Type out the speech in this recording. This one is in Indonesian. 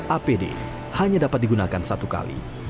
apd hanya dapat digunakan satu kali